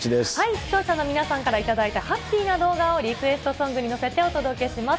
視聴者の皆さんから頂いたハッピーな動画をリクエストソングに乗せてお届けします。